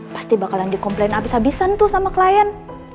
pasti bakalan di komplain abis abisan tuh sama klien